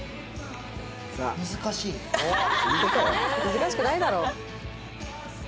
難しくないだろ。